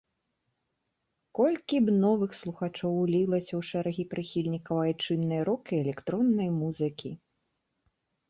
Колькі б новых слухачоў улілася ў шэрагі прыхільнікаў айчыннай рок- і электроннай музыкі!